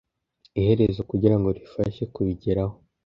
Iherezo kugirango rifashe kubigeraho: